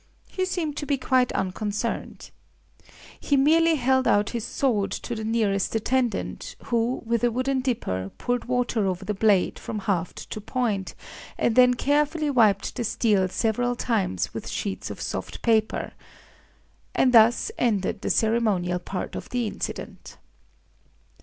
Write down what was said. He seemed to be quite unconcerned. He merely held out his sword to the nearest attendant, who, with a wooden dipper, poured water over the blade from haft to point, and then carefully wiped the steel several times with sheets of soft paper... And thus ended the ceremonial part of the incident.